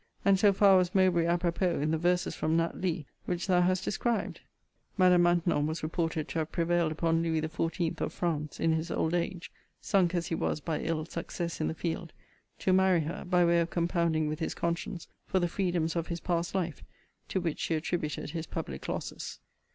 And so far was Mowbray à propos in the verses from Nat. Lee, which thou hast described. * Madam Maintenon was reported to have prevailed upon Lewis XIV. of France, in his old age, (sunk, as he was, by ill success in the field,) to marry her, by way of compounding with his conscience for the freedoms of his past life, to which she attributed his public losses.